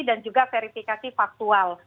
dan juga verifikasi faktual